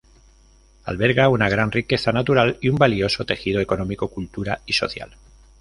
Alberga una gran riqueza natural y un valioso tejido económico, cultura y social.